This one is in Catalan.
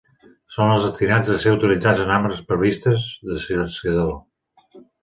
Són els destinats a ser utilitzats en armes previstes de silenciador.